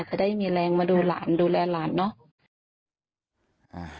จะได้มีแรงมาดูแลหลานเนาะ